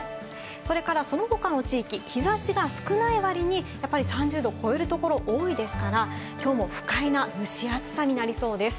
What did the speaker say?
それから、その他の地域、日差しが少ない割にやっぱり３０度超えるところが多いですから、きょうも不快な蒸し暑さになりそうです。